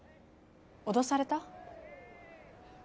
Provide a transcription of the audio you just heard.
脅された？